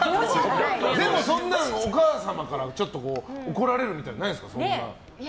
でもお母さまから怒られるみたいなのないんですか。